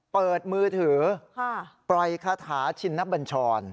เปิดมือถือปล่อยคาถาชินบัญชร